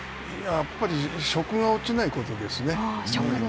やっぱり食が落ちないことですね。